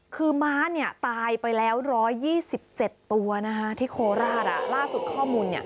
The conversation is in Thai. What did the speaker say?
คือม้าตายไปแล้ว๑๒๗ตัวที่โคราชล่าสุดข้อมูล